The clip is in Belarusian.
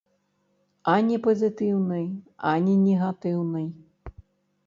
Ані пазітыўнай, ані негатыўнай.